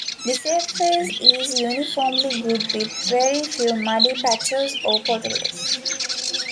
The surface is uniformly good with very few muddy patches or potholes.